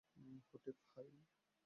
Hotep, হায়।